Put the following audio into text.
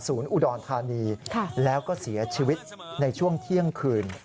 อุดรธานีแล้วก็เสียชีวิตในช่วงเที่ยงคืน